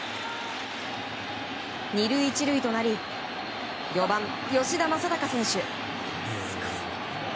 ２塁１塁となり４番、吉田正尚選手。